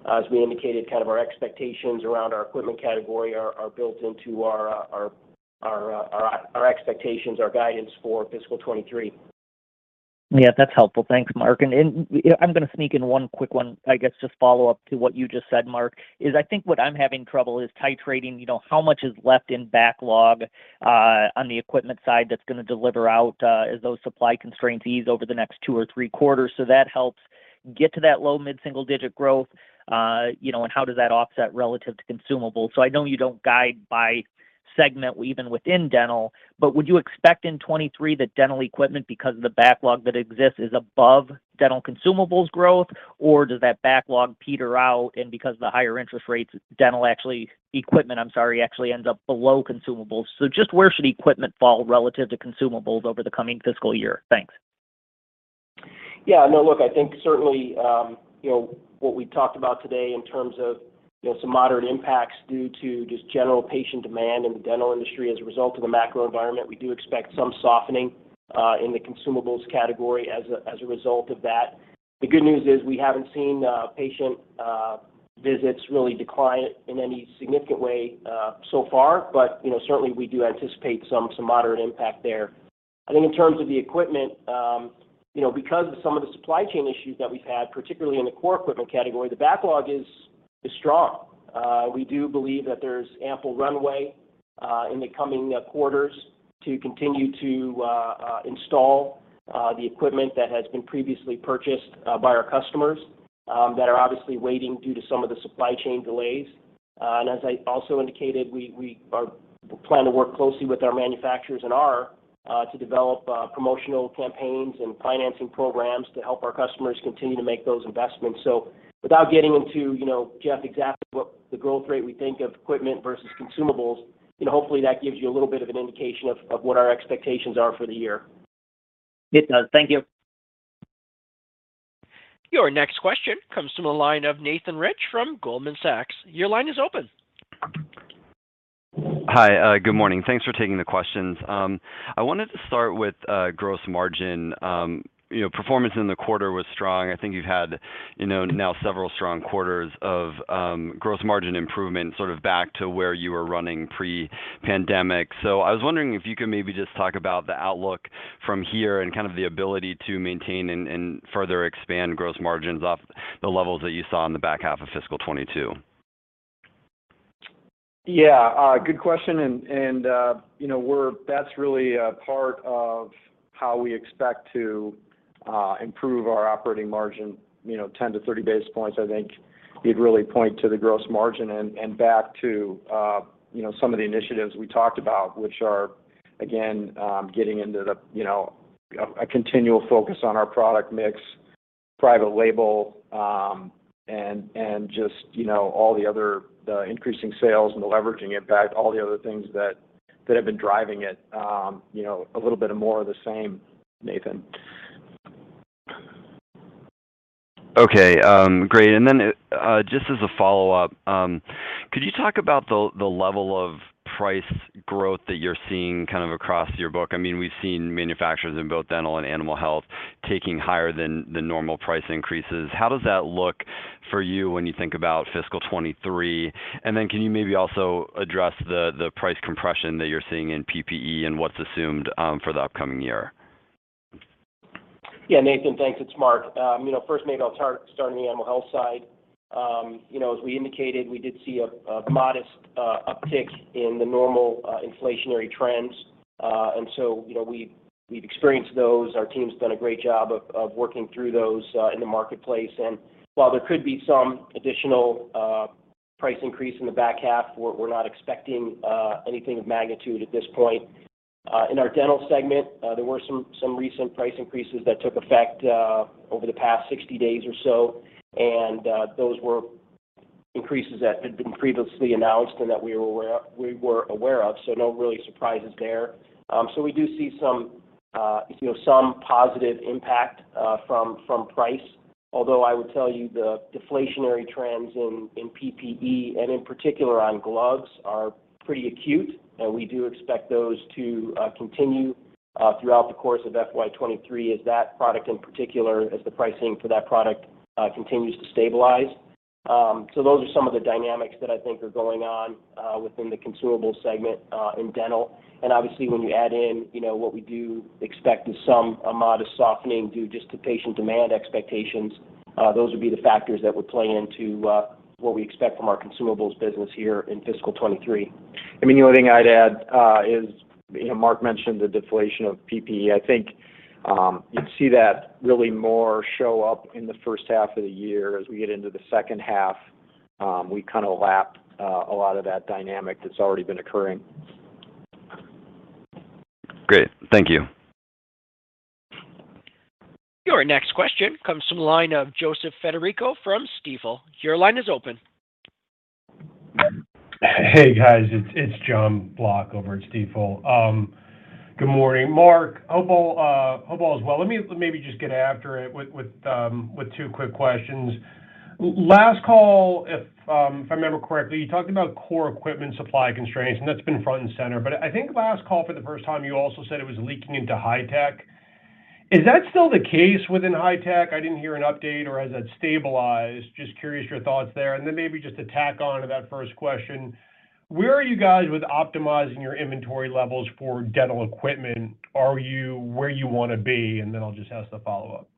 As we indicated, kind of our expectations around our equipment category are built into our expectations, our guidance for fiscal 2023. Yeah, that's helpful. Thanks, Mark. You know, I'm going to sneak in one quick one, I guess, just follow up to what you just said, Mark, is I think what I'm having trouble is titrating, you know, how much is left in backlog on the equipment side that's going to deliver out as those supply constraints ease over the next two or three quarters. That helps get to that low- to mid-single-digit growth. You know, and how does that offset relative to consumables? I know you don't guide by segment even within Dental, but would you expect in 2023 that Dental equipment, because of the backlog that exists, is above Dental consumables growth? Or does that backlog peter out, and because of the higher interest rates, equipment, I'm sorry, actually ends up below consumables? Just where should equipment fall relative to consumables over the coming fiscal year? Thanks. Yeah. No, look, I think certainly, you know, what we talked about today in terms of, you know, some moderate impacts due to just general patient demand in the dental industry as a result of the macro environment, we do expect some softening in the consumables category as a result of that. The good news is we haven't seen patient visits really decline in any significant way so far. You know, certainly we do anticipate some moderate impact there. I think in terms of the equipment, you know, because of some of the supply chain issues that we've had, particularly in the core equipment category, the backlog is strong. We do believe that there's ample runway in the coming quarters to continue to install the equipment that has been previously purchased by our customers that are obviously waiting due to some of the supply chain delays. As I also indicated, we plan to work closely with our manufacturers to develop promotional campaigns and financing programs to help our customers continue to make those investments. Without getting into, you know, Jeff, exactly what the growth rate we think of equipment versus consumables, you know, hopefully that gives you a little bit of an indication of what our expectations are for the year. It does. Thank you. Your next question comes from the line of Nathan Rich from Goldman Sachs. Your line is open. Hi. Good morning. Thanks for taking the questions. I wanted to start with gross margin. You know, performance in the quarter was strong. I think you've had, you know, now several strong quarters of gross margin improvement, sort of back to where you were running pre-pandemic. I was wondering if you could maybe just talk about the outlook from here and kind of the ability to maintain and further expand gross margins off the levels that you saw in the back half of fiscal 2022. Yeah. Good question. You know, that's really a part of how we expect to improve our operating margin, you know, 10-30 basis points. I think you'd really point to the gross margin and back to you know, some of the initiatives we talked about, which are, again, getting into a continual focus on our product mix, private label, and just you know, all the other, the increasing sales and the leveraging impact, all the other things that have been driving it. You know, a little bit more of the same, Nathan. Okay. Great. Just as a follow-up, could you talk about the level of price growth that you're seeing kind of across your book? I mean, we've seen manufacturers in both Dental and Animal Health taking higher than the normal price increases. How does that look for you when you think about fiscal 2023? Can you maybe also address the price compression that you're seeing in PPE and what's assumed for the upcoming year? Yeah. Nathan, thanks. It's Mark. You know, first, Nathan, I'll start on the Animal Health side. You know, as we indicated, we did see a modest uptick in the normal inflationary trends. You know, we've experienced those. Our team's done a great job of working through those in the marketplace. While there could be some additional price increase in the back half, we're not expecting anything of magnitude at this point. In our Dental segment, there were some recent price increases that took effect over the past 60 days or so. Those were increases that had been previously announced and that we were aware of, so no real surprises there. We do see some, you know, some positive impact from price, although I would tell you the deflationary trends in PPE and in particular on gloves are pretty acute, and we do expect those to continue throughout the course of FY 2023 as that product in particular, as the pricing for that product continues to stabilize. Those are some of the dynamics that I think are going on within the consumable segment in Dental. Obviously when you add in, you know, what we do expect is some a modest softening due just to patient demand expectations. Those would be the factors that would play into what we expect from our consumables business here in fiscal 2023. I mean, the only thing I'd add is, you know, Mark mentioned the deflation of PPE. I think you'd see that really more show up in the first half of the year. As we get into the second half, we kind of lap a lot of that dynamic that's already been occurring. Great. Thank you. Your next question comes from the line of Joseph Federico from Stifel. Your line is open. Hey, guys, it's Jonathan Block over at Stifel. Good morning. Mark, hope all is well. Let me maybe just get after it with two quick questions. Last call, if I remember correctly, you talked about core equipment supply constraints, and that's been front and center. I think last call for the first time, you also said it was leaking into high-tech. Is that still the case within high-tech? I didn't hear an update, or has that stabilized? Just curious your thoughts there. And then maybe just to tack on to that first question, where are you guys with optimizing your inventory levels for Dental equipment? Are you where you want to be? And then I'll just ask the follow-up.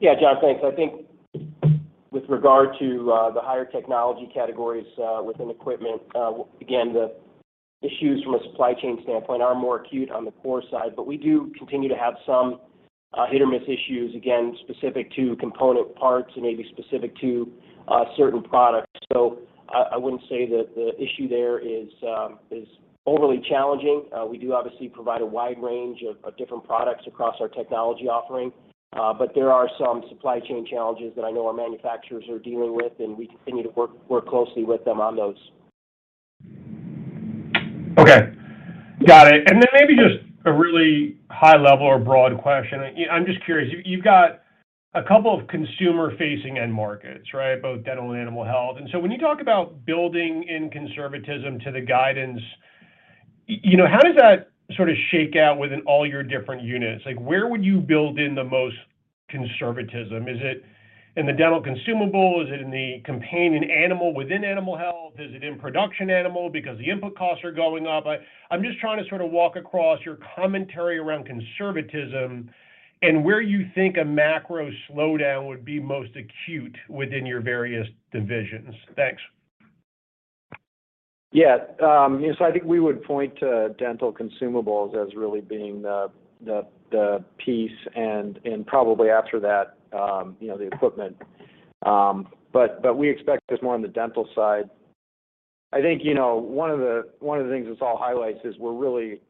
Yeah, John, thanks. I think with regard to the higher technology categories within equipment, again, the issues from a supply chain standpoint are more acute on the core side. We do continue to have some hit or miss issues, again, specific to component parts and maybe specific to certain products. I wouldn't say that the issue there is overly challenging. We do obviously provide a wide range of different products across our technology offering. But there are some supply chain challenges that I know our manufacturers are dealing with, and we continue to work closely with them on those. Okay. Got it. Then maybe just a really high level or broad question. I'm just curious. You've got a couple of consumer-facing end markets, right? Both Dental and Animal Health. So, when you talk about building in conservatism to the guidance, you know, how does that sort of shake out within all your different units? Like, where would you build in the most conservatism? Is it in the Dental consumable? Is it in the companion animal within Animal Health? Is it in production animal because the input costs are going up? I'm just trying to sort of walk across your commentary around conservatism and where you think a macro slowdown would be most acute within your various divisions. Thanks. Yeah. So, I think we would point to Dental consumables as really being the piece and probably after that, you know, the equipment. But we expect this more on the Dental side. I think, you know, one of the things this all highlights is we're really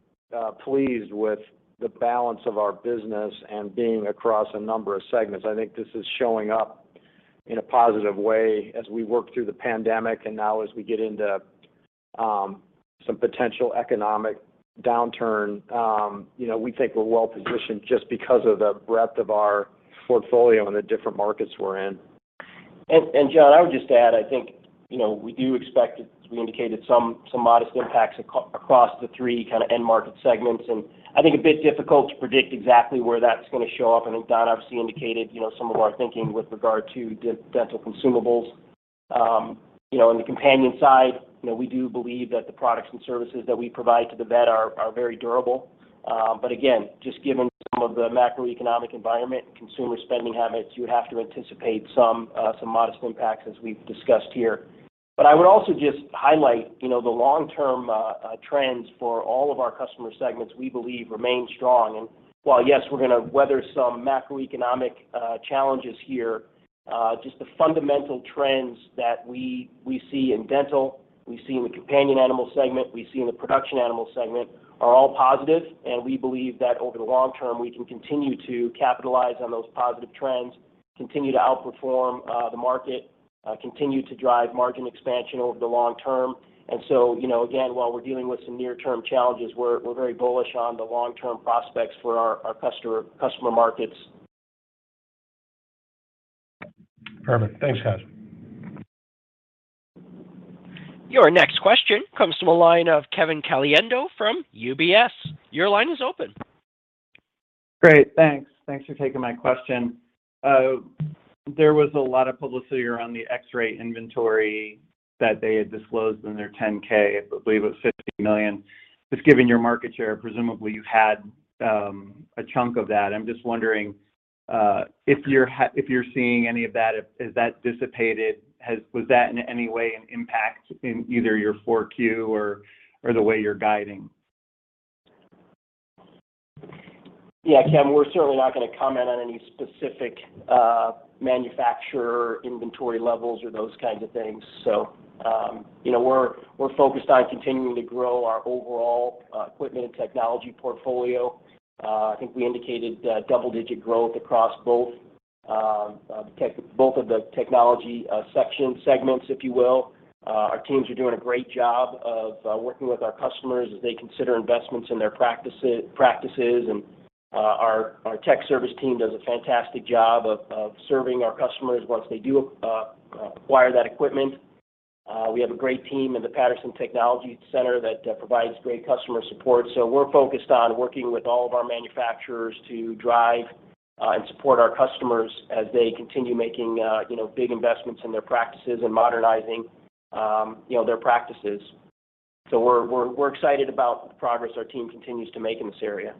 pleased with the balance of our business and being across a number of segments. I think this is showing up in a positive way as we work through the pandemic and now as we get into some potential economic downturn. You know, we think we're well-positioned just because of the breadth of our portfolio and the different markets we're in. John, I would just add, I think, you know, we do expect, as we indicated, some modest impacts across the three kinds of end market segments. I think it's a bit difficult to predict exactly where that's going to show up. Then Don obviously indicated, you know, some of our thinking with regard to Dental consumables. You know, on the companion side, you know, we do believe that the products and services that we provide to the vet are very durable. Again, just given some of the macroeconomic environment and consumer spending habits, you have to anticipate some modest impacts as we've discussed here. I would also just highlight, you know, the long-term trends for all of our customer segments we believe remain strong. While, yes, we're going to weather some macroeconomic challenges here, just the fundamental trends that we see in Dental, we see in the companion animal segment, we see in the production animal segment are all positive, and we believe that over the long term, we can continue to capitalize on those positive trends, continue to outperform the market, continue to drive margin expansion over the long term. You know, again, while we're dealing with some near-term challenges, we're very bullish on the long-term prospects for our customer markets. Perfect. Thanks, guys. Your next question comes from the line of Kevin Caliendo from UBS. Your line is open. Great. Thanks. Thanks for taking my question. There was a lot of publicity around the DEXIS inventory that they had disclosed in their 10-K. I believe it was $50 million. Just given your market share, presumably you had a chunk of that. I'm just wondering if you're seeing any of that. Is that dissipated? Was that in any way an impact in either your 4Q or the way you're guiding? Yeah, Kevin, we're certainly not going to comment on any specific manufacturer inventory levels or those kinds of things. We're focused on continuing to grow our overall equipment and technology portfolio. I think we indicated double-digit growth across both of the technology section segments, if you will. Our teams are doing a great job of working with our customers as they consider investments in their practices. Our tech service team does a fantastic job of serving our customers once they do acquire that equipment. We have a great team in the Patterson Technology Center that provides great customer support. We're focused on working with all of our manufacturers to drive and support our customers as they continue making, you know, big investments in their practices and modernizing, you know, their practices. We're excited about the progress our team continues to make in this area.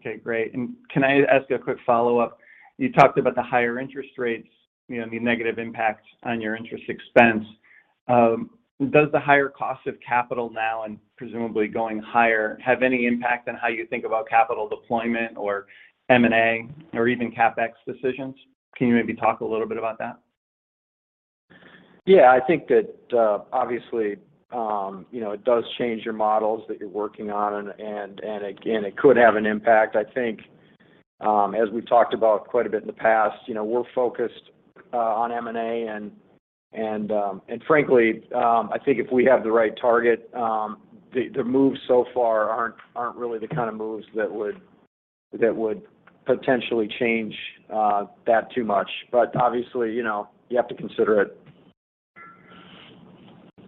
Okay, great. Can I ask a quick follow-up? You talked about the higher interest rates, you know, the negative impact on your interest expense. Does the higher cost of capital now and presumably going higher have any impact on how you think about capital deployment or M&A or even CapEx decisions? Can you maybe talk a little bit about that? Yeah. I think that, obviously, you know, it does change your models that you're working on. Again, it could have an impact. I think, as we've talked about quite a bit in the past, you know, we're focused on M&A and frankly, I think if we have the right target, the moves so far aren't really the kind of moves that would potentially change that too much. Obviously, you know, you have to consider it.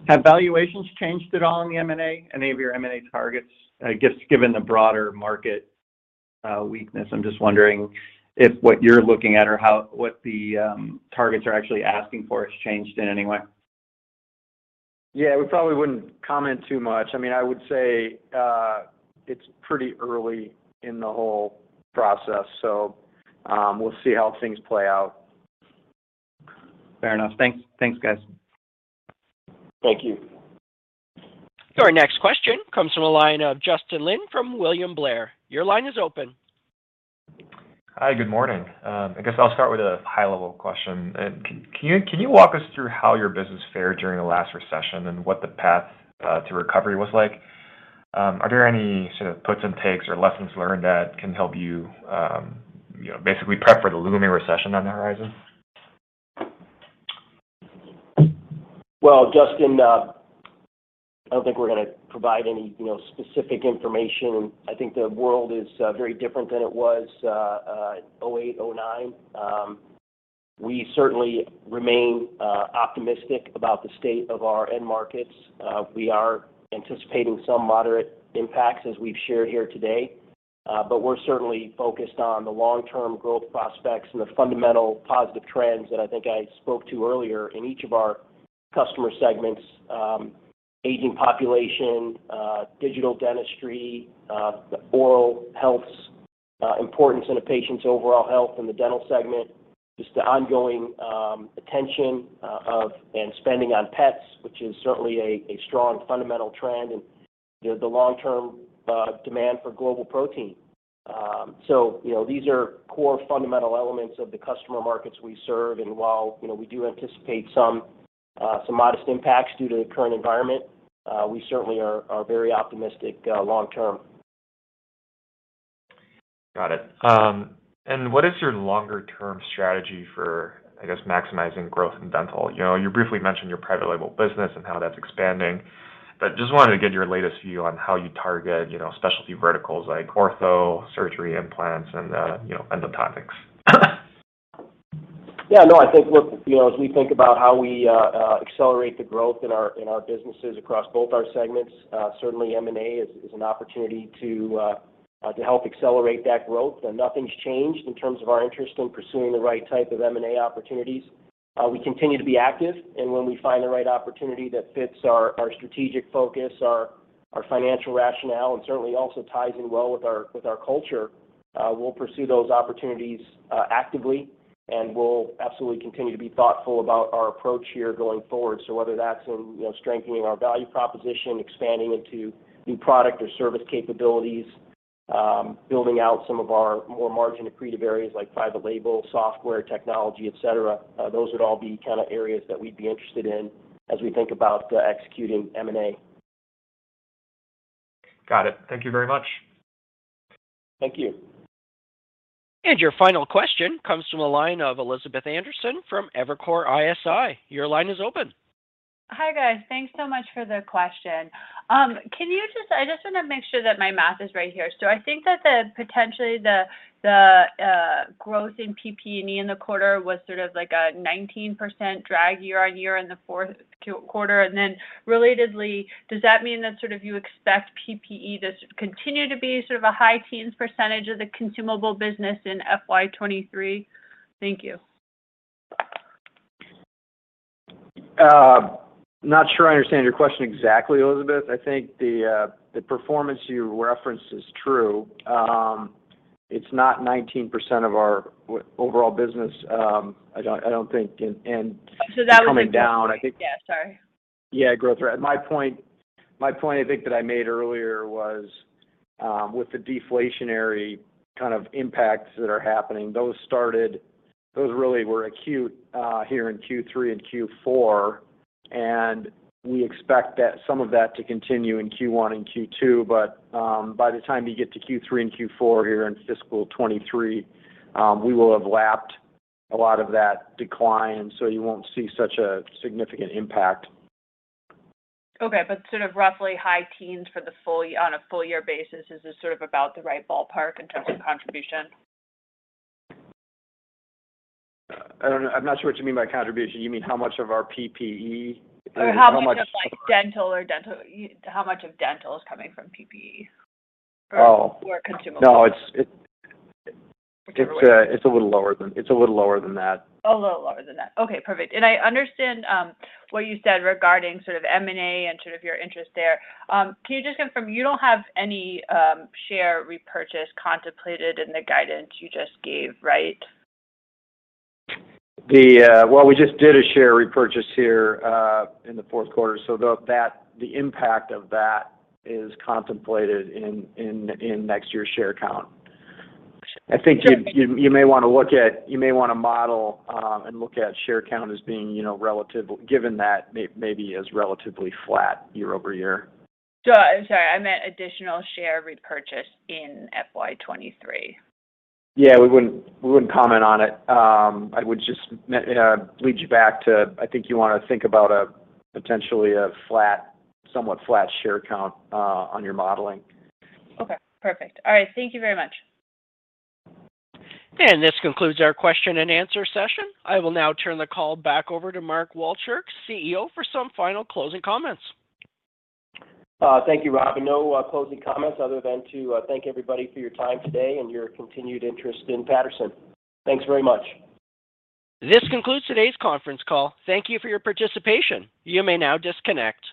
Have valuations changed at all in the M&A? Any of your M&A targets, I guess, given the broader market weakness. I'm just wondering if what you're looking at or how what the targets are actually asking for has changed in any way. Yeah, we probably wouldn't comment too much. I mean, I would say, it's pretty early in the whole process, so, we'll see how things play out. Fair enough. Thanks. Thanks, guys. Thank you. Our next question comes from the line of Justin Lin from William Blair. Your line is open. Hi, good morning. I guess I'll start with a high-level question. Can you walk us through how your business fared during the last recession and what the path to recovery was like? Are there any sort of puts and takes or lessons learned that can help you know, basically prep for the looming recession on the horizon? Well, Justin, I don't think we're going to provide any, you know, specific information. I think the world is very different than it was 2008, 2009. We certainly remain optimistic about the state of our end markets. We are anticipating some moderate impacts as we've shared here today. We're certainly focused on the long-term growth prospects and the fundamental positive trends that I think I spoke to earlier in each of our customer segments. Aging population, digital dentistry, the oral health's importance in a patient's overall health in the Dental segment. Just the ongoing attention to and spending on pets, which is certainly a strong fundamental trend. The long-term demand for global protein. You know, these are core fundamental elements of the customer markets we serve. While, you know, we do anticipate some modest impacts due to the current environment, we certainly are very optimistic long term. Got it. What is your longer-term strategy for, I guess, maximizing growth in Dental? You know, you briefly mentioned your private label business and how that's expanding but just wanted to get your latest view on how you target, you know, specialty verticals like ortho, surgery implants and, you know, endodontics. Yeah, no, I think, look, you know, as we think about how we accelerate the growth in our businesses across both our segments, certainly M&A is an opportunity to help accelerate that growth. Nothing's changed in terms of our interest in pursuing the right type of M&A opportunities. We continue to be active, and when we find the right opportunity that fits our strategic focus, our financial rationale, and certainly also ties in well with our culture, we'll pursue those opportunities actively. We'll absolutely continue to be thoughtful about our approach here going forward. Whether that's in, you know, strengthening our value proposition, expanding into new product or service capabilities, building out some of our more margin accretive areas like private label, software, technology, et cetera, those would all be kind of areas that we'd be interested in as we think about executing M&A. Got it. Thank you very much. Thank you. Your final question comes from the line of Elizabeth Anderson from Evercore ISI. Your line is open. Hi, guys. Thanks so much for the question. Can you just I just want to make sure that my math is right here. I think that potentially the growth in PPE in the quarter was sort of like a 19% drag year-on-year in the Q4. Relatedly, does that mean that sort of you expect PPE to continue to be sort of a high-teen percentage of the consumable business in FY 2023? Thank you. Not sure I understand your question exactly, Elizabeth. I think the performance you referenced is true. It's not 19% of our overall business. I don't think. That would be. It's coming down, I think. Yeah, sorry. Yeah, growth rate. My point I think that I made earlier was, with the deflationary kind of impacts that are happening, those really were acute here in Q3 and Q4, and we expect that, some of that to continue in Q1 and Q2. By the time you get to Q3 and Q4 here in fiscal 2023, we will have lapped a lot of that decline, so you won't see such a significant impact. Okay. Sort of roughly high teens for the full, on a full year basis, is this sort of about the right ballpark in terms of contribution? I don't know. I'm not sure what you mean by contribution. You mean how much of our PPE or how much. How much of Dental is coming from PPE? Oh. Consumable. No, it's. Whichever way. It's a little lower than that. A little lower than that. Okay, perfect. I understand what you said regarding sort of M&A and sort of your interest there. Can you just confirm you don't have any share repurchase contemplated in the guidance you just gave, right? Well, we just did a share repurchase here in the Q4, so the impact of that is contemplated in next year's share count. I think you may want to model and look at share count as being, you know, relative, given that maybe as relatively flat year-over-year. I'm sorry, I meant additional share repurchase in FY 2023. Yeah, we wouldn't comment on it. I would just lead you back to I think you want to think about a potentially flat, somewhat flat share count on your modeling. Okay, perfect. All right. Thank you very much. This concludes our question-and-answer session. I will now turn the call back over to Mark Walchirk, CEO, for some final closing comments. Thank you, Rob. No, closing comments other than to thank you everybody for your time today and your continued interest in Patterson. Thanks very much. This concludes today's conference call. Thank you for your participation. You may now disconnect.